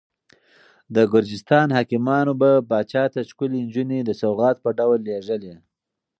د ګرجستان حاکمانو به پاچا ته ښکلې نجونې د سوغات په ډول لېږلې.